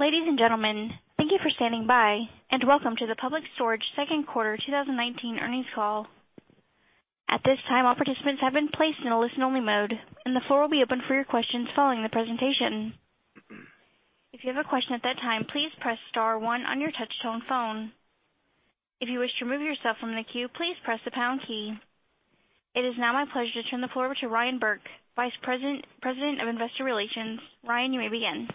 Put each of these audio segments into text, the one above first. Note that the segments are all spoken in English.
Ladies and gentlemen, thank you for standing by and welcome to the Public Storage second quarter 2019 earnings call. At this time, all participants have been placed in a listen-only mode, and the floor will be open for your questions following the presentation. If you have a question at that time, please press star one on your touch-tone phone. If you wish to remove yourself from the queue, please press the pound key. It is now my pleasure to turn the floor over to Ryan Burke, President of Investor Relations. Ryan, you may begin.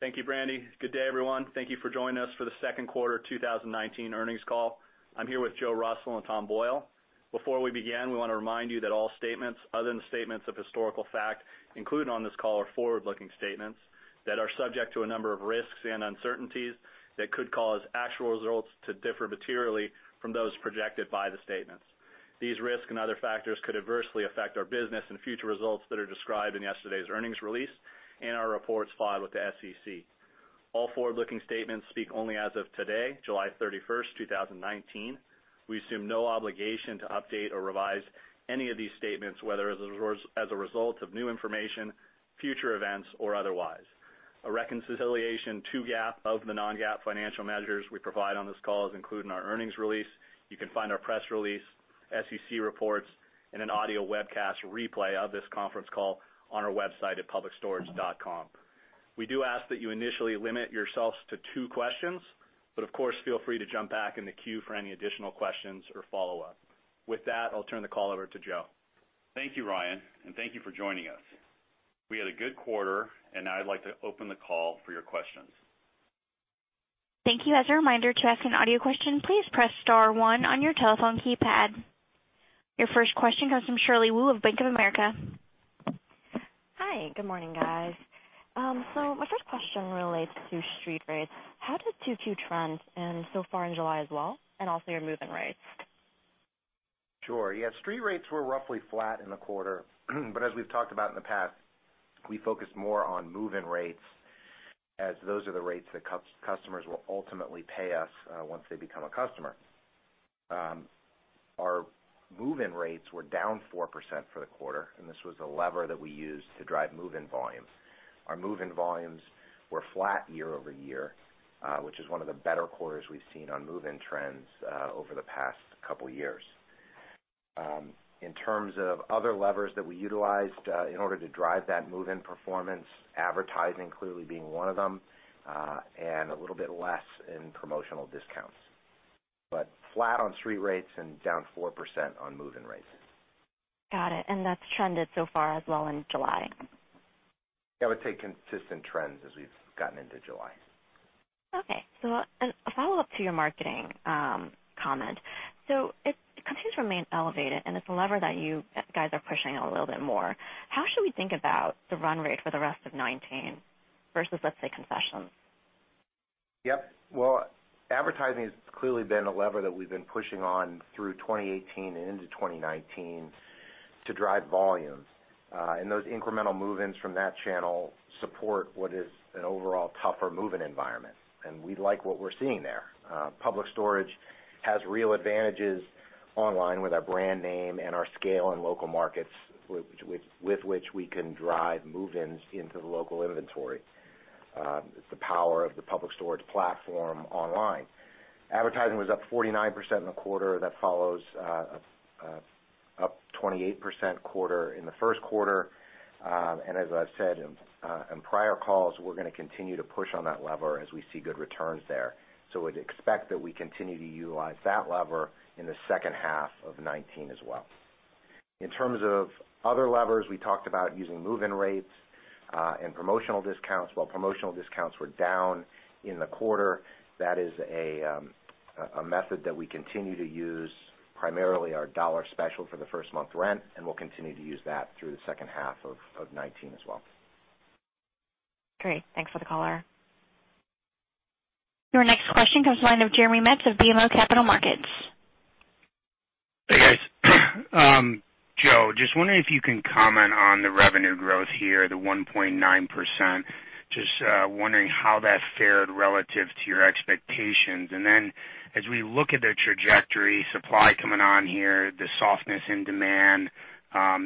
Thank you, Brandy. Good day, everyone. Thank you for joining us for the second quarter 2019 earnings call. I'm here with Joe Russell and Tom Boyle. Before we begin, we want to remind you that all statements other than statements of historical fact included on this call are forward-looking statements that are subject to a number of risks and uncertainties that could cause actual results to differ materially from those projected by the statements. These risks and other factors could adversely affect our business and future results that are described in yesterday's earnings release and our reports filed with the SEC. All forward-looking statements speak only as of today, July 31st, 2019. We assume no obligation to update or revise any of these statements, whether as a result of new information, future events, or otherwise. A reconciliation to GAAP of the non-GAAP financial measures we provide on this call is included in our earnings release. You can find our press release, SEC reports, and an audio webcast replay of this conference call on our website at publicstorage.com. We do ask that you initially limit yourselves to two questions, but of course, feel free to jump back in the queue for any additional questions or follow-up. With that, I'll turn the call over to Joe. Thank you, Ryan. Thank you for joining us. We had a good quarter. Now I'd like to open the call for your questions. Thank you. As a reminder, to ask an audio question, please press star one on your telephone keypad. Your first question comes from Shirley Wu of Bank of America. Hi, good morning, guys. My first question relates to street rates. How did Q2 trend and so far in July as well, and also your move-in rates? Sure. Yeah, street rates were roughly flat in the quarter, but as we've talked about in the past, we focus more on move-in rates as those are the rates that customers will ultimately pay us once they become a customer. Our move-in rates were down 4% for the quarter. This was a lever that we used to drive move-in volumes. Our move-in volumes were flat year-over-year, which is one of the better quarters we've seen on move-in trends over the past couple of years. In terms of other levers that we utilized in order to drive that move-in performance, advertising clearly being one of them, and a little bit less in promotional discounts. Flat on street rates and down 4% on move-in rates. Got it. That's trended so far as well in July? Yeah, I would say consistent trends as we've gotten into July. Okay. A follow-up to your marketing comment. It continues to remain elevated, and it's a lever that you guys are pushing a little bit more. How should we think about the run rate for the rest of 2019 versus, let's say, concessions? Yep. Well, advertising has clearly been a lever that we've been pushing on through 2018 and into 2019 to drive volume. Those incremental move-ins from that channel support what is an overall tougher move-in environment. We like what we're seeing there. Public Storage has real advantages online with our brand name and our scale in local markets, with which we can drive move-ins into the local inventory. It's the power of the Public Storage platform online. Advertising was up 49% in the quarter. That follows up 28% quarter in the first quarter. As I've said in prior calls, we're going to continue to push on that lever as we see good returns there. We'd expect that we continue to utilize that lever in the second half of 2019 as well. In terms of other levers, we talked about using move-in rates and promotional discounts. While promotional discounts were down in the quarter, that is a method that we continue to use, primarily our dollar special for the first month rent, and we'll continue to use that through the second half of 2019 as well. Great. Thanks for the color. Your next question comes from the line of Jeremy Metz of BMO Capital Markets. Hey, guys. Joe, just wondering if you can comment on the revenue growth here, the 1.9%. Just wondering how that fared relative to your expectations. As we look at the trajectory, supply coming on here, the softness in demand,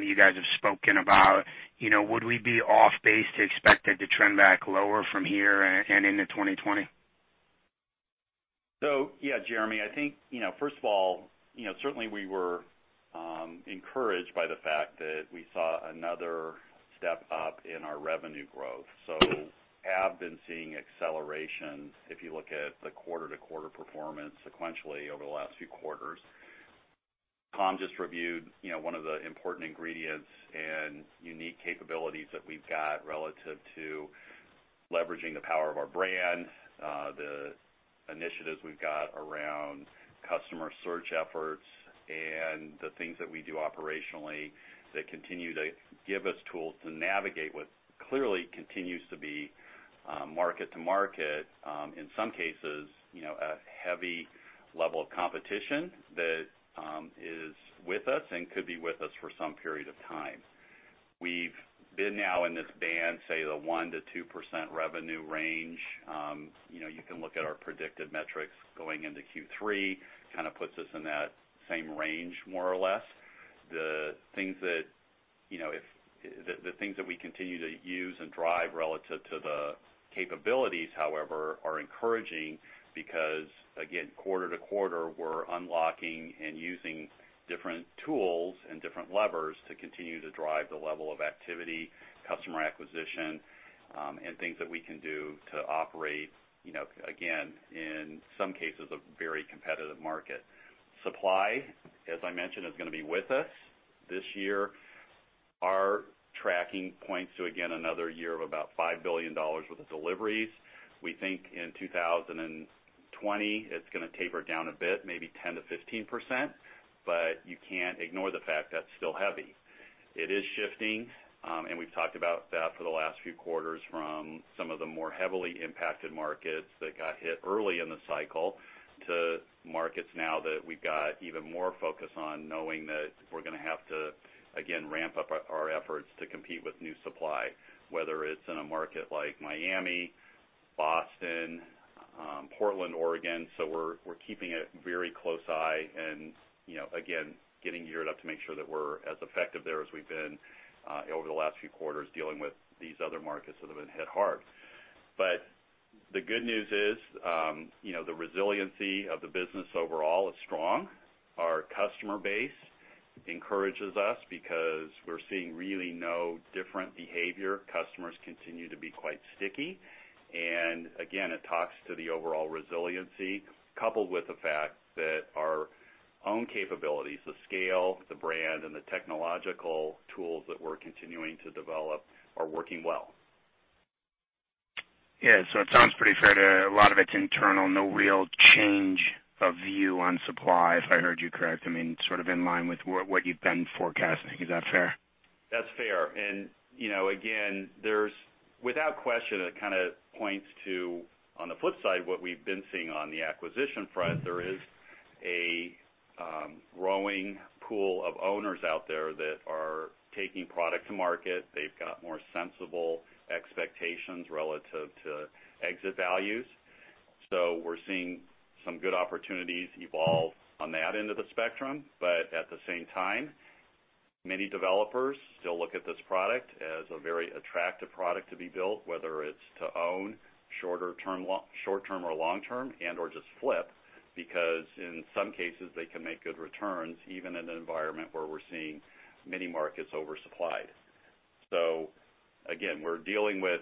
you guys have spoken about, would we be off base to expect it to trend back lower from here and into 2020? Yeah, Jeremy. I think, first of all, certainly we were encouraged by the fact that we saw another step up in our revenue growth. Have been seeing accelerations, if you look at the quarter-to-quarter performance sequentially over the last few quarters. Tom just reviewed one of the important ingredients and unique capabilities that we've got relative to leveraging the power of our brand, the initiatives we've got around customer search efforts, and the things that we do operationally that continue to give us tools to navigate what clearly continues to be market to market, in some cases, a heavy level of competition that is with us and could be with us for some period of time. We've been now in this band, say the 1%-2% revenue range. You can look at our predicted metrics going into Q3, kind of puts us in that same range more or less. The things that we continue to use and drive relative to the capabilities, however, are encouraging because, again, quarter to quarter, we're unlocking and using different tools and different levers to continue to drive the level of activity, customer acquisition, and things that we can do to operate, again, in some cases, a very competitive market. Supply, as I mentioned, is going to be with us this year. Our tracking points to, again, another year of about $5 billion worth of deliveries. We think in 2020, it's going to taper down a bit, maybe 10%-15%, but you can't ignore the fact that's still heavy. It is shifting, and we've talked about that for the last few quarters from some of the more heavily impacted markets that got hit early in the cycle to markets now that we've got even more focus on knowing that we're going to have to, again, ramp up our efforts to compete with new supply, whether it's in a market like Miami, Boston, Portland, Oregon. We're keeping a very close eye and, again, getting geared up to make sure that we're as effective there as we've been over the last few quarters dealing with these other markets that have been hit hard. The good news is, the resiliency of the business overall is strong. Our customer base encourages us because we're seeing really no different behavior. Customers continue to be quite sticky. Again, it talks to the overall resiliency coupled with the fact that our own capabilities, the scale, the brand, and the technological tools that we're continuing to develop are working well. Yeah. It sounds pretty fair to a lot of it's internal, no real change of view on supply, if I heard you correct, sort of in line with what you've been forecasting. Is that fair? That's fair. Again, without question, it kind of points to, on the flip side, what we've been seeing on the acquisition front, there is a growing pool of owners out there that are taking product to market. They've got more sensible expectations relative to exit values. We're seeing some good opportunities evolve on that end of the spectrum. At the same time, many developers still look at this product as a very attractive product to be built, whether it's to own short-term or long-term and/or just flip, because in some cases, they can make good returns, even in an environment where we're seeing many markets oversupplied. Again, we're dealing with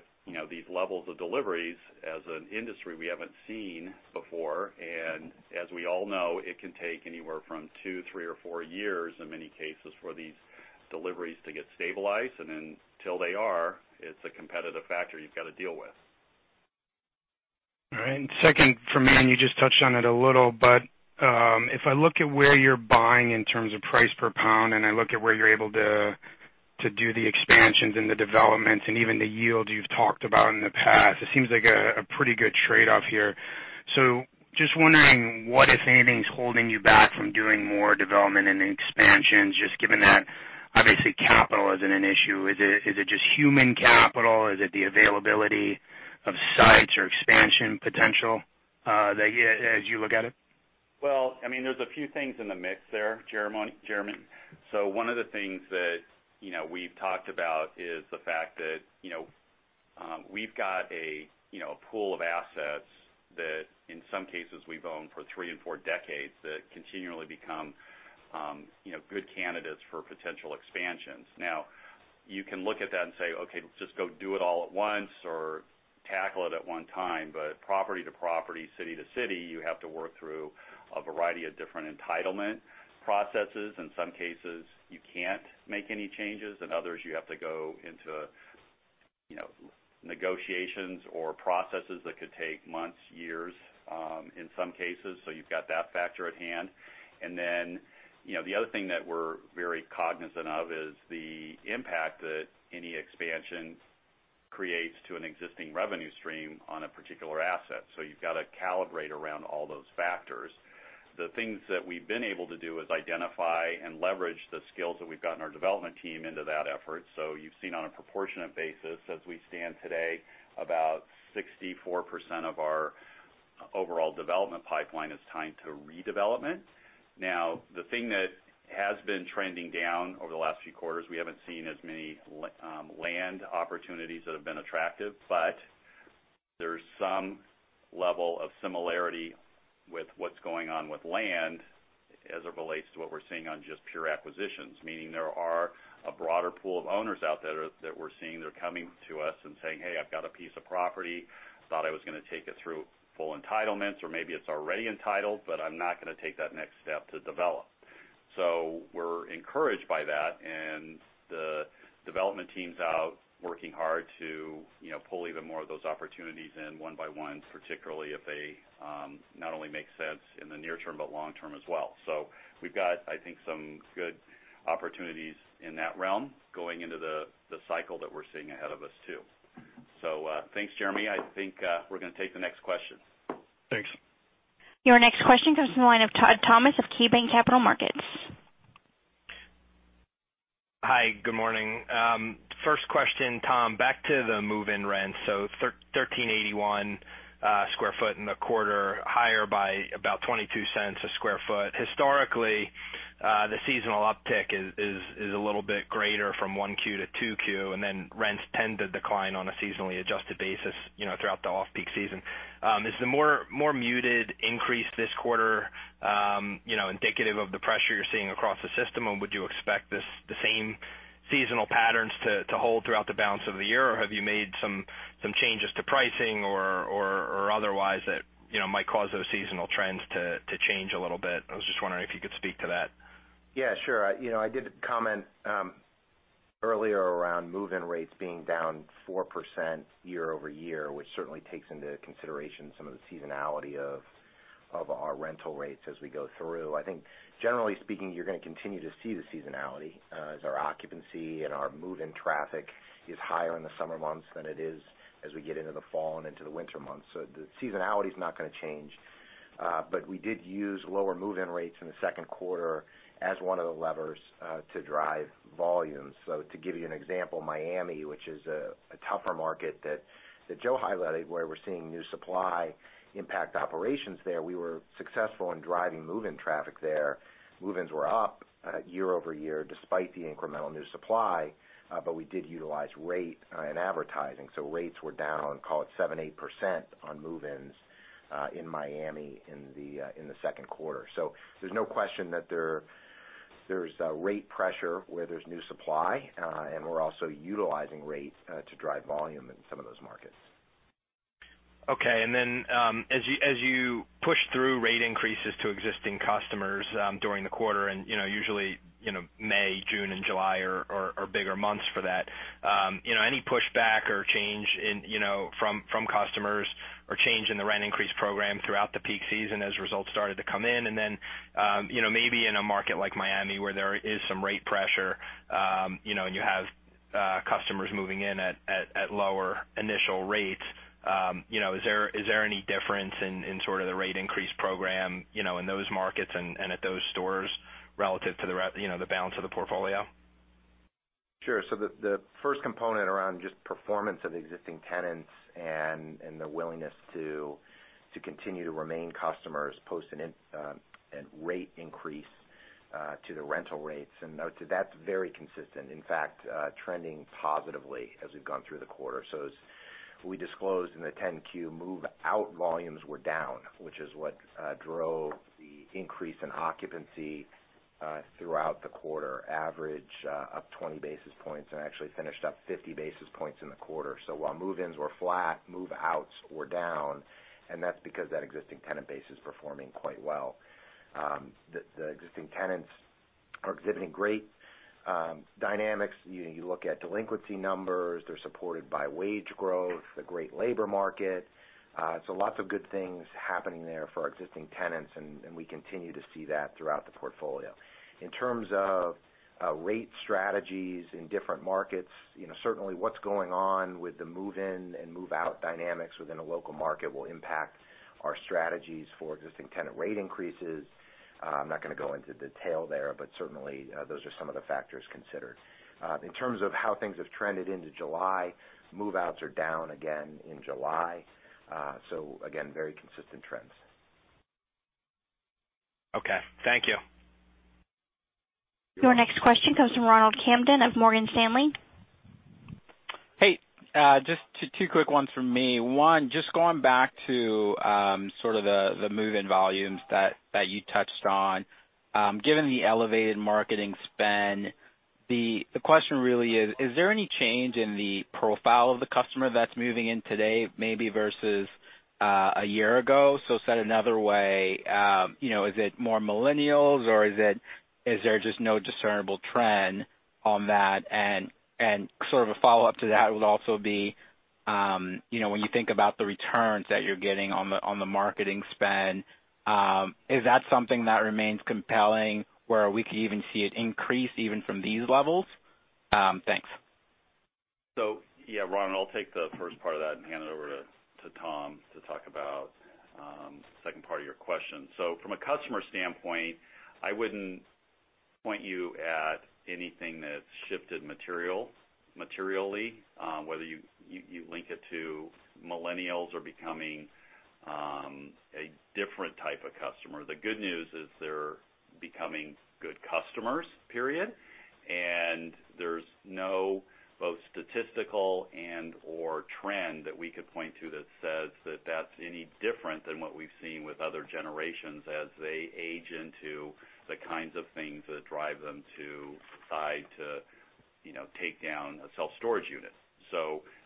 these levels of deliveries as an industry we haven't seen before, and as we all know, it can take anywhere from two, three, or four years, in many cases, for these deliveries to get stabilized. Until they are, it's a competitive factor you've got to deal with. All right. Second for me, and you just touched on it a little, but if I look at where you're buying in terms of price per pound, and I look at where you're able to do the expansions and the developments and even the yield you've talked about in the past, it seems like a pretty good trade-off here. Just wondering what, if anything's holding you back from doing more development and expansions, just given that obviously capital isn't an issue. Is it just human capital? Is it the availability of sites or expansion potential as you look at it? Well, there's a few things in the mix there, Jeremy. One of the things that we've talked about is the fact that we've got a pool of assets that in some cases we've owned for 3 and 4 decades that continually become good candidates for potential expansions. Now you can look at that and say, "Okay, just go do it all at once or tackle it at 1 time." Property to property, city to city, you have to work through a variety of different entitlement processes. In some cases, you can't make any changes. In others, you have to go into negotiations or processes that could take months, years, in some cases. You've got that factor at hand. The other thing that we're very cognizant of is the impact that any expansion creates to an existing revenue stream on a particular asset. You've got to calibrate around all those factors. The things that we've been able to do is identify and leverage the skills that we've got in our development team into that effort. You've seen on a proportionate basis, as we stand today, about 64% of our overall development pipeline is tied to redevelopment. The thing that has been trending down over the last few quarters, we haven't seen as many land opportunities that have been attractive, but there's some level of similarity with what's going on with land as it relates to what we're seeing on just pure acquisitions, meaning there are a broader pool of owners out there that we're seeing. They're coming to us and saying, "Hey, I've got a piece of property. Thought I was going to take it through full entitlements, or maybe it's already entitled, but I'm not going to take that next step to develop." We're encouraged by that, and the development team's out working hard to pull even more of those opportunities in one by one, particularly if they not only make sense in the near term, but long term as well. We've got, I think, some good opportunities in that realm going into the cycle that we're seeing ahead of us, too. Thanks, Jeremy. I think we're going to take the next question. Thanks. Your next question comes from the line of Todd Thomas of KeyBanc Capital Markets. Hi, good morning. First question, Tom, back to the move-in rents. $13.81 sq ft in the quarter, higher by about $0.22 a sq ft. Historically, the seasonal uptick is a little bit greater from 1Q to 2Q, rents tend to decline on a seasonally adjusted basis throughout the off-peak season. Is the more muted increase this quarter indicative of the pressure you're seeing across the system? Would you expect the same seasonal patterns to hold throughout the balance of the year? Have you made some changes to pricing or otherwise that might cause those seasonal trends to change a little bit? I was just wondering if you could speak to that. Yeah, sure. I did comment earlier around move-in rates being down 4% year-over-year, which certainly takes into consideration some of the seasonality of our rental rates as we go through. I think generally speaking, you're going to continue to see the seasonality as our occupancy and our move-in traffic is higher in the summer months than it is as we get into the fall and into the winter months. The seasonality is not going to change. We did use lower move-in rates in the second quarter as one of the levers to drive volume. To give you an example, Miami, which is a tougher market that Joe highlighted, where we're seeing new supply impact operations there, we were successful in driving move-in traffic there. Move-ins were up year-over-year despite the incremental new supply, but we did utilize rate and advertising. Rates were down, call it 7%, 8% on move-ins in Miami in the second quarter. There's no question that there's rate pressure where there's new supply, and we're also utilizing rates to drive volume in some of those markets. Okay, as you push through rate increases to existing customers during the quarter, and usually, May, June, and July are bigger months for that. Any pushback or change from customers, or change in the rent increase program throughout the peak season as results started to come in? Maybe in a market like Miami where there is some rate pressure, and you have customers moving in at lower initial rates, is there any difference in sort of the rate increase program in those markets and at those stores relative to the balance of the portfolio? Sure. The first component around just performance of existing tenants and the willingness to continue to remain customers post a rate increase to the rental rates, and that's very consistent. In fact, trending positively as we've gone through the quarter. As we disclosed in the 10-Q, move-out volumes were down, which is what drove the increase in occupancy throughout the quarter average up 20 basis points, and actually finished up 50 basis points in the quarter. While move-ins were flat, move-outs were down, and that's because that existing tenant base is performing quite well. The existing tenants are exhibiting great dynamics. You look at delinquency numbers, they're supported by wage growth, the great labor market. Lots of good things happening there for our existing tenants, and we continue to see that throughout the portfolio. In terms of rate strategies in different markets, certainly what's going on with the move-in and move-out dynamics within a local market will impact our strategies for existing tenant rate increases. I'm not going to go into detail there, but certainly those are some of the factors considered. In terms of how things have trended into July, move-outs are down again in July. Again, very consistent trends. Okay. Thank you. Your next question comes from Ronald Kamdem of Morgan Stanley. Hey. Just two quick ones from me. One, just going back to sort of the move-in volumes that you touched on. Given the elevated marketing spend, the question really is: Is there any change in the profile of the customer that's moving in today, maybe versus a year ago? Said another way, is it more millennials or is there just no discernible trend on that? Sort of a follow-up to that would also be, when you think about the returns that you're getting on the marketing spend, is that something that remains compelling where we could even see it increase even from these levels? Thanks. Yeah, Ronald, I'll take the first part of that and hand it over to Tom to talk about the second part of your question. From a customer standpoint, I wouldn't point you at anything that's shifted materially, whether you link it to millennials or becoming a different type of customer. The good news is they're becoming good customers, period, and there's no both statistical and/or trend that we could point to that says that that's any different than what we've seen with other generations as they age into the kinds of things that drive them to decide to take down a self-storage unit.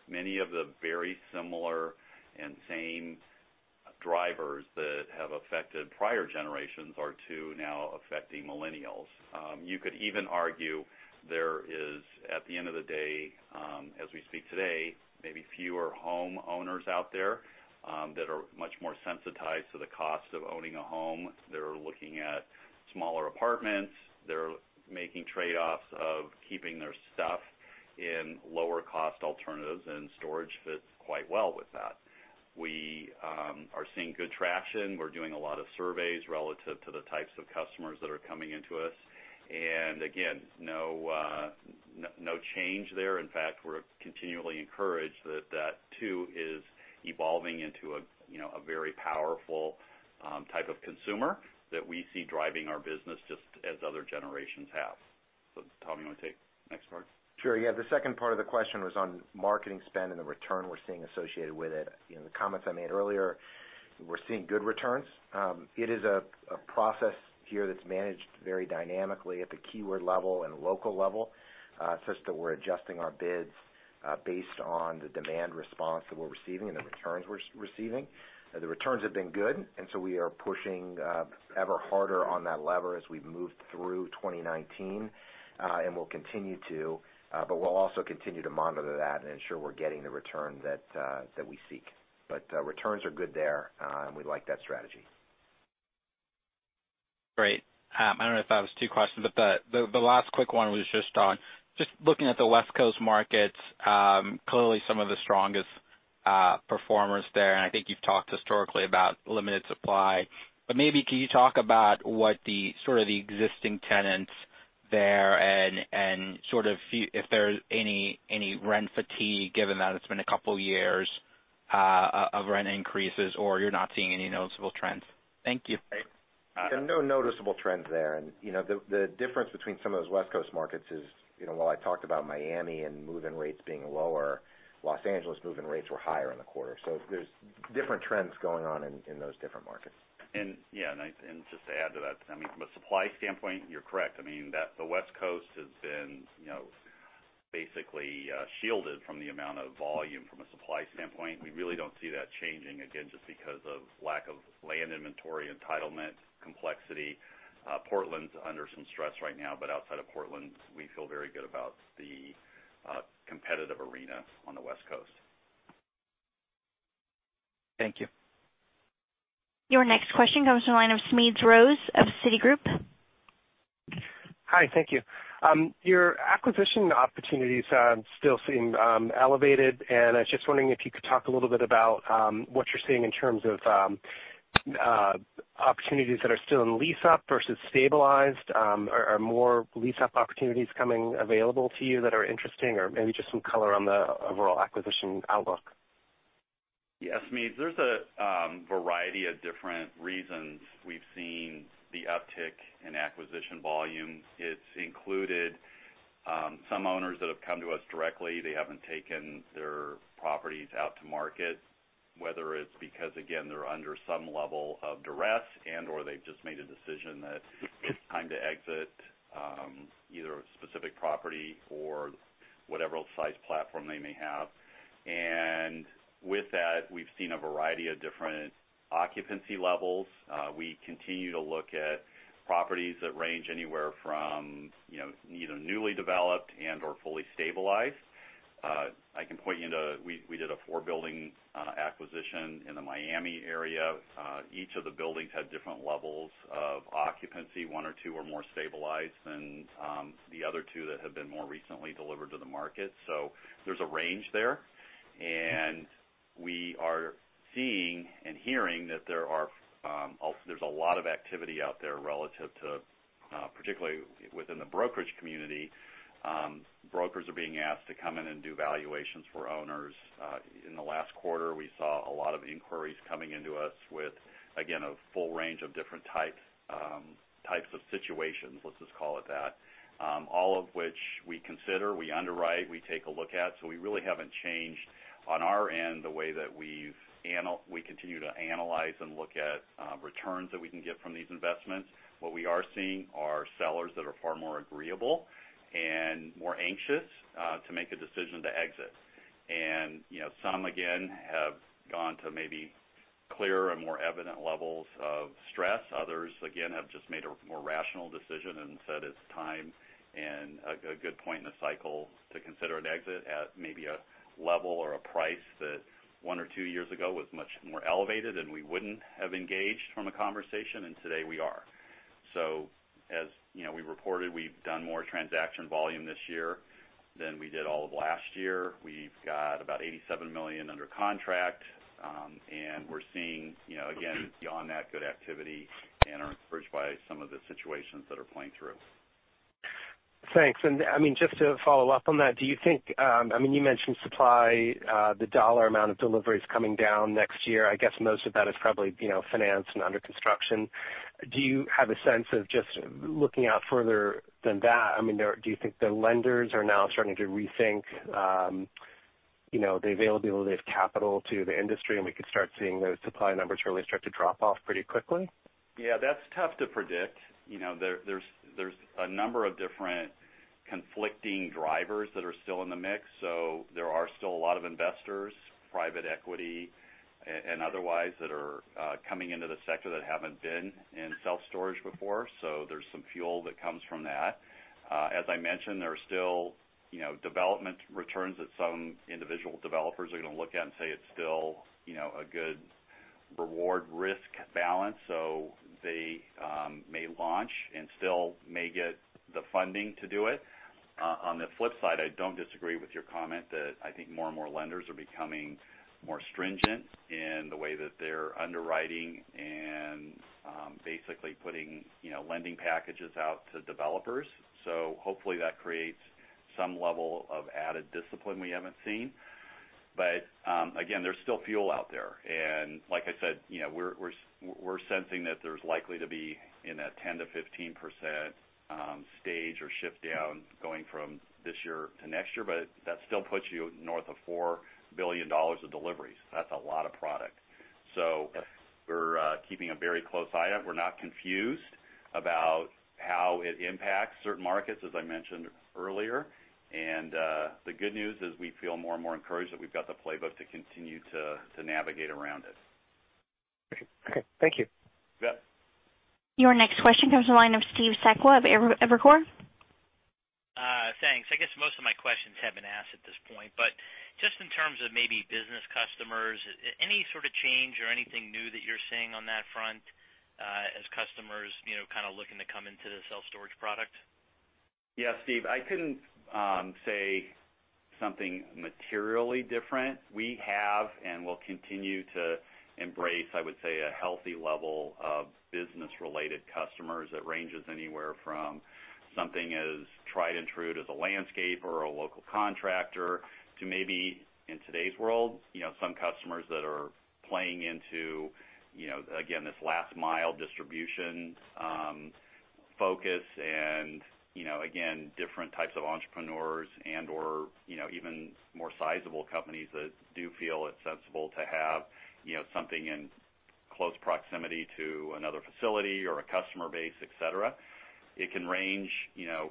Many of the very similar and same drivers that have affected prior generations are too now affecting millennials. You could even argue there is, at the end of the day, as we speak today, maybe fewer homeowners out there that are much more sensitized to the cost of owning a home. They're looking at smaller apartments. They're making trade-offs of keeping their stuff in lower cost alternatives and storage fits quite well with that. We are seeing good traction. We're doing a lot of surveys relative to the types of customers that are coming into us. Again, no change there. In fact, we're continually encouraged that too is evolving into a very powerful type of consumer that we see driving our business just as other generations have. Tom, you want to take the next part? Sure. Yeah. The second part of the question was on marketing spend and the return we're seeing associated with it. In the comments I made earlier, we're seeing good returns. It is a process here that's managed very dynamically at the keyword level and local level, such that we're adjusting our bids based on the demand response that we're receiving and the returns we're receiving. The returns have been good, and so we are pushing ever harder on that lever as we've moved through 2019. We'll continue to, but we'll also continue to monitor that and ensure we're getting the return that we seek. Returns are good there, and we like that strategy. Great. I don't know if that was two questions, but the last quick one was just on, just looking at the West Coast markets, clearly some of the strongest performers there, and I think you've talked historically about limited supply. Maybe could you talk about what the existing tenants there and if there's any rent fatigue, given that it's been a couple of years of rent increases, or you're not seeing any noticeable trends? Thank you. No noticeable trends there. The difference between some of those West Coast markets is, while I talked about Miami and move-in rates being lower, Los Angeles move-in rates were higher in the quarter. There's different trends going on in those different markets. Yeah, and just to add to that, from a supply standpoint, you're correct. The West Coast has been basically shielded from the amount of volume from a supply standpoint. We really don't see that changing, again, just because of lack of land inventory, entitlement, complexity. Portland's under some stress right now, but outside of Portland, we feel very good about the competitive arena on the West Coast. Thank you. Your next question comes from the line of Smedes Rose of Citigroup. Hi. Thank you. Your acquisition opportunities still seem elevated. I was just wondering if you could talk a little bit about what you're seeing in terms of opportunities that are still in lease-up versus stabilized. Are more lease-up opportunities coming available to you that are interesting? Maybe just some color on the overall acquisition outlook. Yeah. Smedes, there's a variety of different reasons we've seen the uptick in acquisition volume. It's included some owners that have come to us directly. They haven't taken their properties out to market, whether it's because, again, they're under some level of duress and/or they've just made a decision that it's time to exit, either a specific property or whatever size platform they may have. With that, we've seen a variety of different occupancy levels. We continue to look at properties that range anywhere from either newly developed and/or fully stabilized. I can point you to, we did a four-building acquisition in the Miami area. Each of the buildings had different levels of occupancy. One or two were more stabilized than the other two that have been more recently delivered to the market. There's a range there. We are seeing and hearing that there's a lot of activity out there relative to, particularly within the brokerage community. Brokers are being asked to come in and do valuations for owners. In the last quarter, we saw a lot of inquiries coming into us with, again, a full range of different types of situations, let's just call it that. All of which we consider, we underwrite, we take a look at. We really haven't changed on our end the way that we continue to analyze and look at returns that we can get from these investments. What we are seeing are sellers that are far more agreeable and more anxious to make a decision to exit. Some, again, have gone to maybe clearer and more evident levels of stress. Others, again, have just made a more rational decision and said it's time and a good point in the cycle to consider an exit at maybe a level or a price that one or two years ago was much more elevated, and we wouldn't have engaged from a conversation, and today we are. As we reported, we've done more transaction volume this year than we did all of last year. We've got about $87 million under contract. We're seeing, again, beyond that, good activity and are encouraged by some of the situations that are playing through. Thanks. Just to follow up on that, do you think, you mentioned supply, the dollar amount of deliveries coming down next year. I guess most of that is probably financed and under construction. Do you have a sense of just looking out further than that, do you think the lenders are now starting to rethink the availability of capital to the industry, and we could start seeing those supply numbers really start to drop off pretty quickly? Yeah, that's tough to predict. There's a number of different conflicting drivers that are still in the mix. There are still a lot of investors, private equity and otherwise, that are coming into the sector that haven't been in self-storage before. There's some fuel that comes from that. As I mentioned, there are still development returns that some individual developers are going to look at and say it's still a good reward-risk balance. They may launch and still may get the funding to do it. On the flip side, I don't disagree with your comment that I think more and more lenders are becoming more stringent in the way that they're underwriting and basically putting lending packages out to developers. Hopefully that creates some level of added discipline we haven't seen. Again, there's still fuel out there. Like I said, we're sensing that there's likely to be in that 10%-15% stage or shift down going from this year to next year, but that still puts you north of $4 billion of deliveries. That's a lot of product. We're keeping a very close eye on it. We're not confused about how it impacts certain markets, as I mentioned earlier. The good news is we feel more and more encouraged that we've got the playbook to continue to navigate around it. Okay. Thank you. Yep. Your next question comes from the line of Steve Sakwa of Evercore. Thanks. Just in terms of maybe business customers, any sort of change or anything new that you're seeing on that front as customers kind of looking to come into the self-storage product? Yeah, Steve, I couldn't say something materially different. We have and will continue to embrace, I would say, a healthy level of business-related customers that ranges anywhere from something as tried and true as a landscaper or a local contractor to maybe in today's world, some customers that are playing into, again, this last mile distribution focus and, again, different types of entrepreneurs and/or even more sizable companies that do feel it's sensible to have something in close proximity to another facility or a customer base, et cetera. It can range,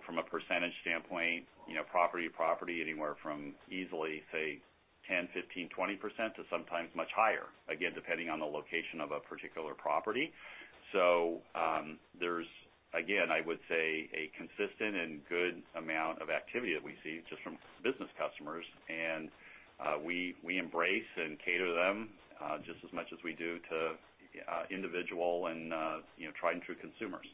from a percentage standpoint, property to property, anywhere from easily, say, 10%, 15%, 20% to sometimes much higher, again, depending on the location of a particular property. There's, again, I would say, a consistent and good amount of activity that we see just from business customers, and we embrace and cater to them just as much as we do to individual and tried and true consumers.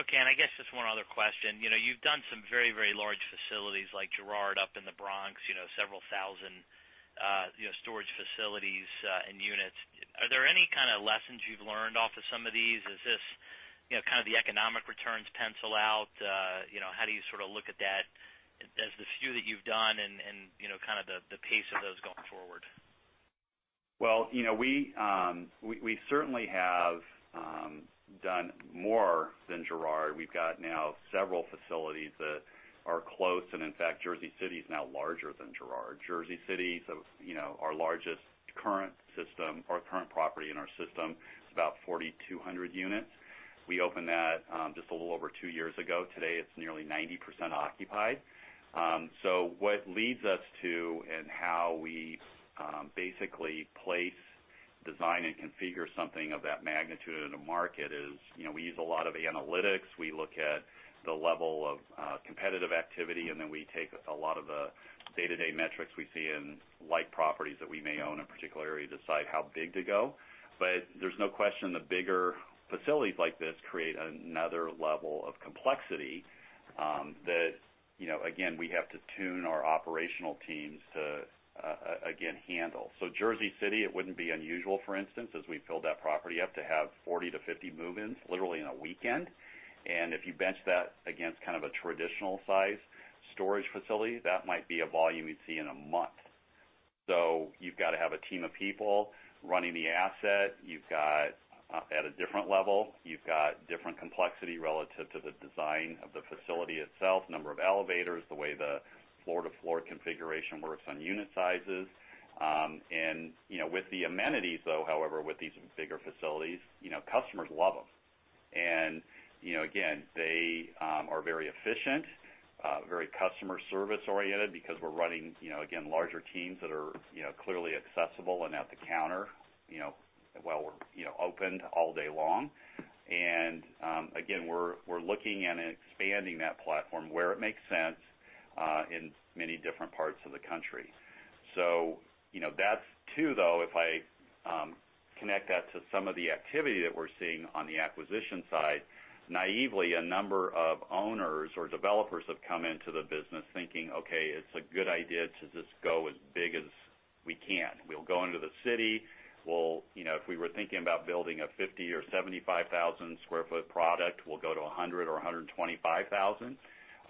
Okay. I guess just one other question. You've done some very, very large facilities like Gerard up in the Bronx, several thousand storage facilities and units. Are there any kind of lessons you've learned off of some of these? Is this kind of the economic returns pencil out? How do you sort of look at that as the few that you've done and kind of the pace of those going forward? We certainly have done more than Gerard. We've got now several facilities that are close, and in fact, Jersey City is now larger than Gerard. Jersey City, our largest current system or current property in our system, is about 4,200 units. We opened that just a little over two years ago. Today, it's nearly 90% occupied. What leads us to and how we basically place, design, and configure something of that magnitude in the market is we use a lot of analytics. We look at the level of competitive activity, and then we take a lot of the day-to-day metrics we see in like properties that we may own in a particular area to decide how big to go. There's no question the bigger facilities like this create another level of complexity that, again, we have to tune our operational teams to, again, handle. Jersey City, it wouldn't be unusual, for instance, as we filled that property up to have 40 to 50 move-ins literally in a weekend. If you bench that against kind of a traditional size storage facility, that might be a volume you'd see in a month. You've got to have a team of people running the asset. At a different level, you've got different complexity relative to the design of the facility itself, number of elevators, the way the floor-to-floor configuration works on unit sizes. With the amenities, though, however, with these bigger facilities, customers love them. Again, they are very efficient, very customer service-oriented because we're running, again, larger teams that are clearly accessible and at the counter while we're opened all day long. Again, we're looking at expanding that platform where it makes sense in many different parts of the country. That's two, though. If I connect that to some of the activity that we're seeing on the acquisition side, naively, a number of owners or developers have come into the business thinking, okay, it's a good idea to just go as big as we can. We'll go into the city. If we were thinking about building a 50,000 or 75,000 square foot product, we'll go to 100,000 or 125,000,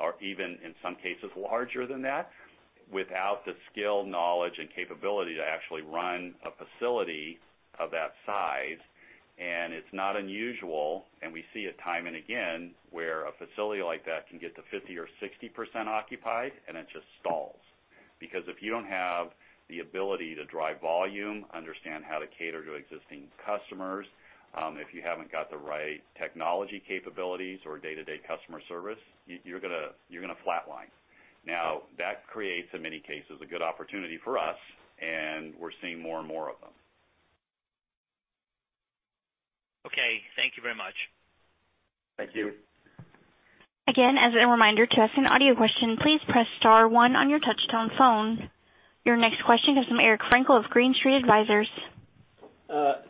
or even in some cases larger than that, without the skill, knowledge, and capability to actually run a facility of that size. It's not unusual, and we see it time and again, where a facility like that can get to 50% or 60% occupied, and it just stalls. If you don't have the ability to drive volume, understand how to cater to existing customers, if you haven't got the right technology capabilities or day-to-day customer service, you're going to flatline. That creates, in many cases, a good opportunity for us, and we're seeing more and more of them. Okay. Thank you very much. Thank you. Again, as a reminder, to ask an audio question, please press star one on your touch-tone phone. Your next question comes from Eric Frankel of Green Street Advisors.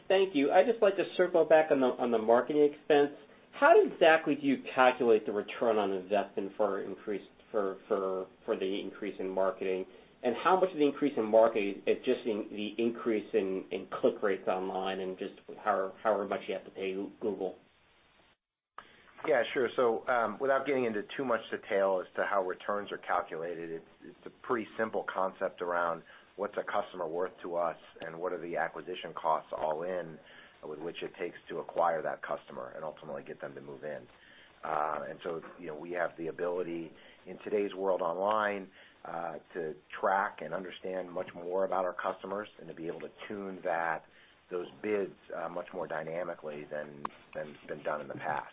Thank you. I'd just like to circle back on the marketing expense. How exactly do you calculate the return on investment for the increase in marketing? How much of the increase in marketing is just the increase in click rates online and just however much you have to pay Google? Yeah, sure. Without getting into too much detail as to how returns are calculated, it's a pretty simple concept around what's a customer worth to us and what are the acquisition costs all in, with which it takes to acquire that customer and ultimately get them to move in. We have the ability in today's world online, to track and understand much more about our customers and to be able to tune those bids much more dynamically than's been done in the past.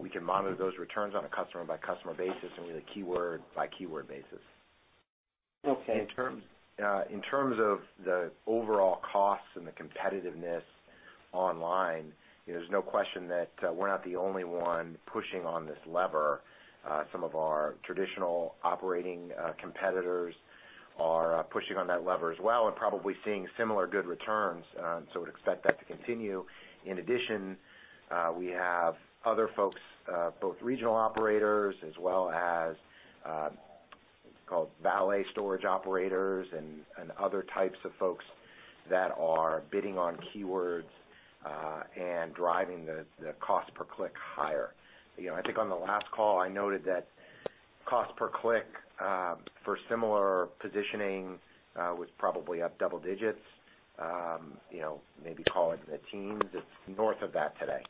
We can monitor those returns on a customer-by-customer basis and with a keyword-by-keyword basis. Okay. In terms of the overall costs and the competitiveness online, there's no question that we're not the only one pushing on this lever. Some of our traditional operating competitors are pushing on that lever as well and probably seeing similar good returns. We'd expect that to continue. In addition, we have other folks, both regional operators as well as what's called valet storage operators and other types of folks that are bidding on keywords, and driving the cost per click higher. I think on the last call, I noted that cost per click, for similar positioning, was probably up double digits, maybe call it teens. It's north of that today.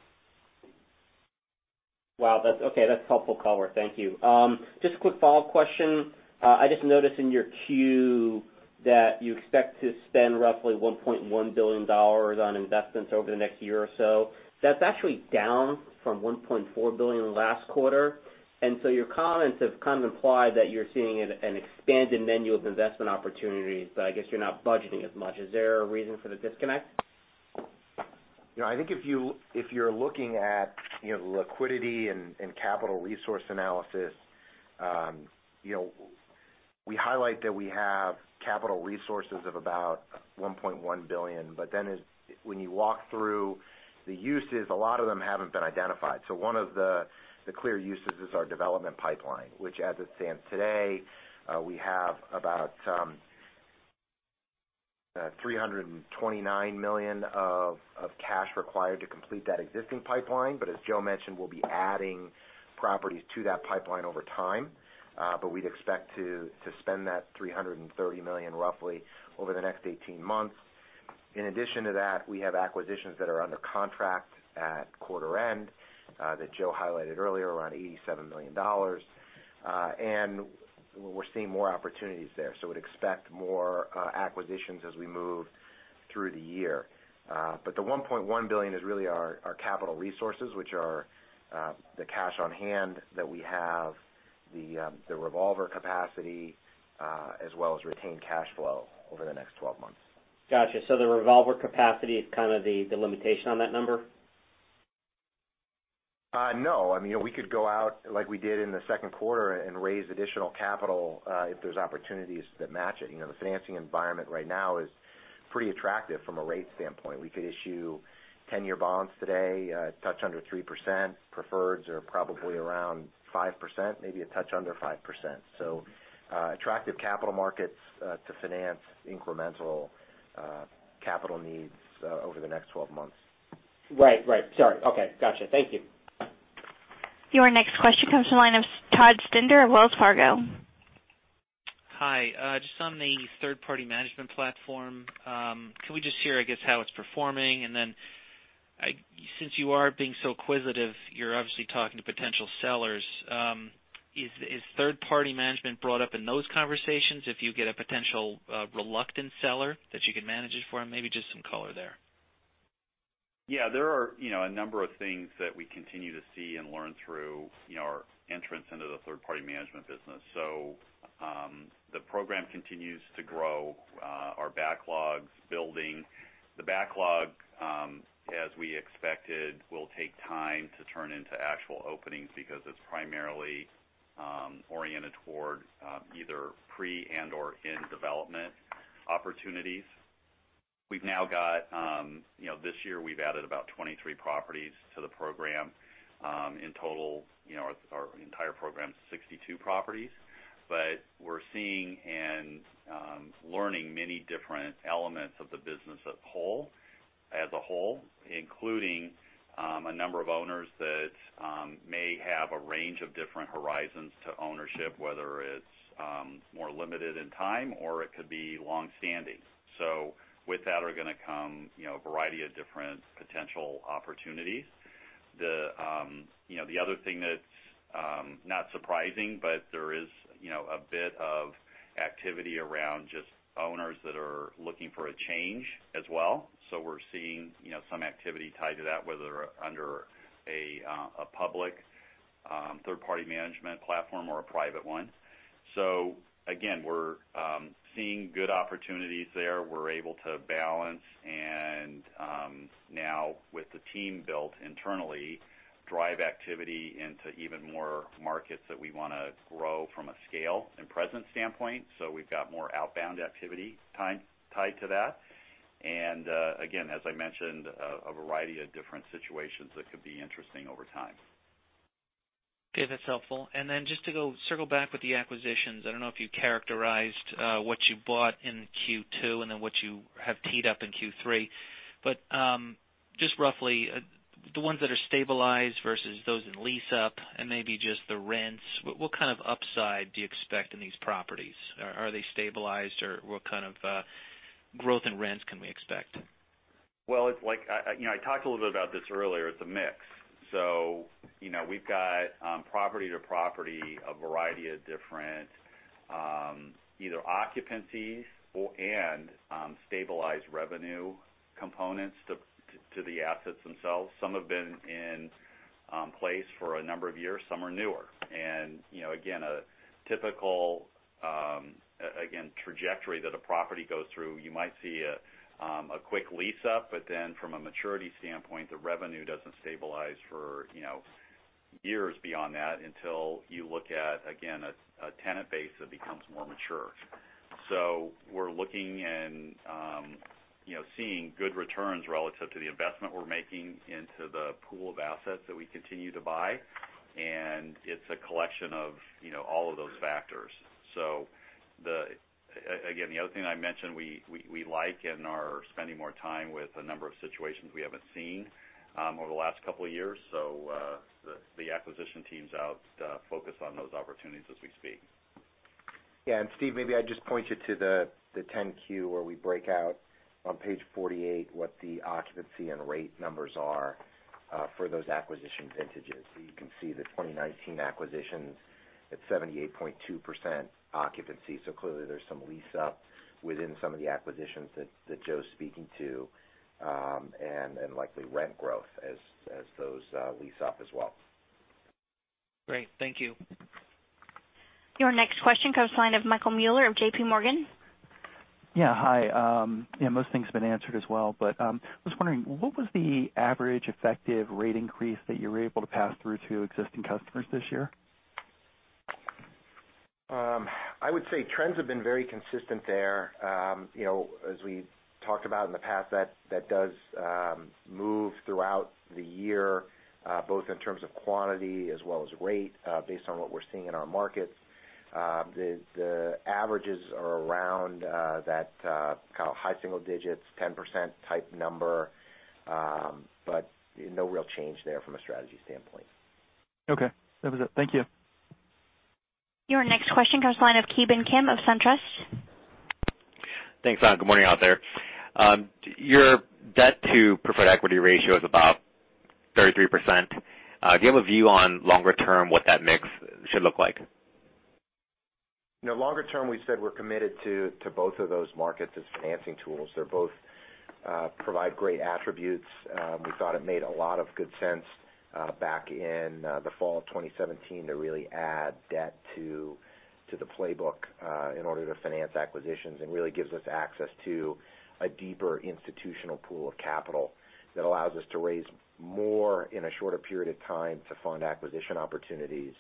Wow. Okay. That's helpful color. Thank you. Just a quick follow-up question. I just noticed in your 10-Q that you expect to spend roughly $1.1 billion on investments over the next year or so. That's actually down from $1.4 billion last quarter. Your comments have kind of implied that you're seeing an expanded menu of investment opportunities, but I guess you're not budgeting as much. Is there a reason for the disconnect? I think if you're looking at liquidity and capital resource analysis, we highlight that we have capital resources of about $1.1 billion. When you walk through the uses, a lot of them haven't been identified. One of the clear uses is our development pipeline, which as it stands today, we have about $329 million of cash required to complete that existing pipeline. As Joe mentioned, we'll be adding properties to that pipeline over time. We'd expect to spend that $330 million roughly over the next 18 months. In addition to that, we have acquisitions that are under contract at quarter end, that Joe highlighted earlier, around $87 million. We're seeing more opportunities there, we'd expect more acquisitions as we move through the year. The $1.1 billion is really our capital resources, which are the cash on hand that we have, the revolver capacity, as well as retained cash flow over the next 12 months. Got you. The revolver capacity is kind of the limitation on that number? No. We could go out like we did in the second quarter and raise additional capital, if there's opportunities that match it. The financing environment right now is pretty attractive from a rate standpoint. We could issue 10-year bonds today, a touch under 3%, preferreds are probably around 5%, maybe a touch under 5%. So, attractive capital markets to finance incremental capital needs over the next 12 months. Right. Sorry. Okay, got you. Thank you. Your next question comes from the line of Todd Stender of Wells Fargo. Hi. Just on the third-party management platform, can we just hear, I guess, how it's performing? Since you are being so acquisitive, you're obviously talking to potential sellers. Is third-party management brought up in those conversations if you get a potential reluctant seller that you could manage it for them? Maybe just some color there. There are a number of things that we continue to see and learn through our entrance into the third-party management business. The program continues to grow, our backlog's building. The backlog, as we expected, will take time to turn into actual openings because it's primarily oriented toward either pre and/or in development opportunities. This year, we've added about 23 properties to the program. In total, our entire program is 62 properties, but we're seeing and learning many different elements of the business as a whole, including a number of owners that may have a range of different horizons to ownership, whether it's more limited in time or it could be longstanding. With that are going to come a variety of different potential opportunities. The other thing that's not surprising, but there is a bit of activity around just owners that are looking for a change as well. we're seeing some activity tied to that, whether under a public Third-party management platform or a private one. Again, we're seeing good opportunities there. We're able to balance and now with the team built internally, drive activity into even more markets that we want to grow from a scale and presence standpoint. We've got more outbound activity tied to that. Again, as I mentioned, a variety of different situations that could be interesting over time. Okay, that's helpful. Then just to circle back with the acquisitions, I don't know if you characterized what you bought in Q2 and then what you have teed up in Q3, but just roughly the ones that are stabilized versus those in lease-up and maybe just the rents, what kind of upside do you expect in these properties? Are they stabilized or what kind of growth in rents can we expect? Well, I talked a little bit about this earlier. It's a mix. We've got, property to property, a variety of different either occupancies or, and stabilized revenue components to the assets themselves. Some have been in place for a number of years, some are newer. A typical trajectory that a property goes through, you might see a quick lease-up, but then from a maturity standpoint, the revenue doesn't stabilize for years beyond that until you look at a tenant base that becomes more mature. We're looking and seeing good returns relative to the investment we're making into the pool of assets that we continue to buy, and it's a collection of all of those factors. The other thing I mentioned, we like and are spending more time with a number of situations we haven't seen over the last couple of years. The acquisition team's out focused on those opportunities as we speak. Yeah. steve, maybe I'd just point you to the 10-Q where we break out on page 48 what the occupancy and rate numbers are for those acquisition vintages. You can see the 2019 acquisitions at 78.2% occupancy. Clearly there's some lease-up within some of the acquisitions that Joe's speaking to, and likely rent growth as those lease up as well. Great. Thank you. Your next question comes line of Michael Mueller of JP Morgan. Yeah. Hi. Most things have been answered as well. I was wondering, what was the average effective rate increase that you were able to pass through to existing customers this year? I would say trends have been very consistent there. As we talked about in the past, that does move throughout the year, both in terms of quantity as well as rate, based on what we're seeing in our markets. The averages are around that kind of high single digits, 10%-type number, but no real change there from a strategy standpoint. Okay. That was it. Thank you. Your next question comes line of Ki Bin Kim of SunTrust. Thanks. Good morning out there. Your debt-to-preferred equity ratio is about 33%. Do you have a view on longer term what that mix should look like? Longer term, we've said we're committed to both of those markets as financing tools. They both provide great attributes. We thought it made a lot of good sense back in the fall of 2017 to really add debt to the playbook, in order to finance acquisitions, and really gives us access to a deeper institutional pool of capital that allows us to raise more in a shorter period of time to fund acquisition opportunities.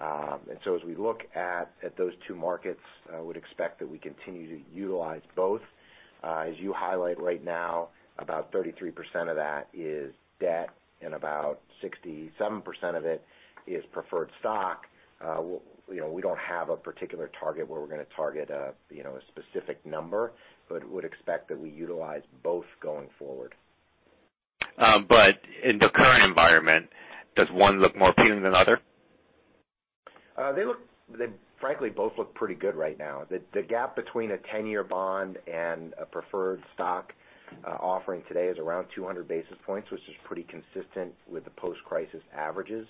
As we look at those two markets, I would expect that we continue to utilize both. As you highlight right now, about 33% of that is debt and about 67% of it is preferred stock. We don't have a particular target where we're going to target a specific number, but would expect that we utilize both going forward. In the current environment, does one look more appealing than the other? They frankly both look pretty good right now. The gap between a 10-year bond and a preferred stock offering today is around 200 basis points, which is pretty consistent with the post-crisis averages.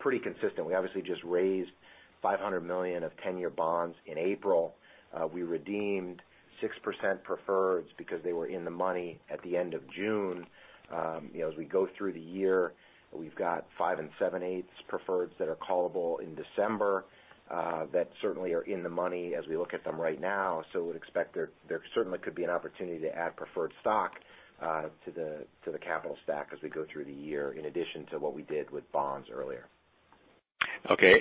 Pretty consistent. We obviously just raised $500 million of 10-year bonds in April. We redeemed 6% preferred because they were in the money at the end of June. As we go through the year, we've got five and seven-eights preferred that are callable in December, that certainly are in the money as we look at them right now. We'd expect there certainly could be an opportunity to add preferred stock to the capital stack as we go through the year, in addition to what we did with bonds earlier. Okay.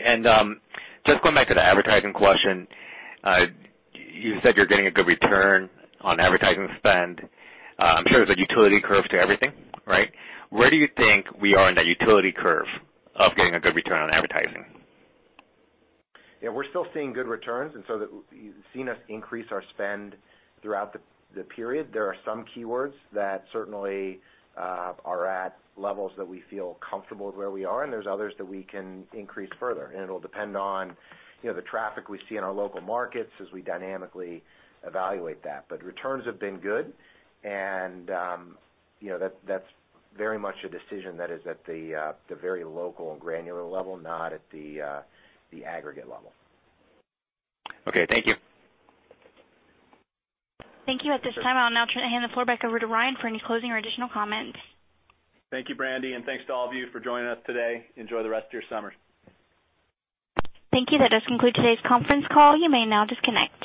Just going back to the advertising question. You said you're getting a good return on advertising spend. I'm sure there's a utility curve to everything, right? Where do you think we are in that utility curve of getting a good return on advertising? We're still seeing good returns, and so you've seen us increase our spend throughout the period. There are some keywords that certainly are at levels that we feel comfortable with where we are, and there's others that we can increase further. It'll depend on the traffic we see in our local markets as we dynamically evaluate that. Returns have been good and that's very much a decision that is at the very local and granular level, not at the aggregate level. Okay. Thank you. Thank you. At this time, I'll now hand the floor back over to Ryan for any closing or additional comments. Thank you, Brandy. Thanks to all of you for joining us today. Enjoy the rest of your summer. Thank you. That does conclude today's conference call. You may now disconnect.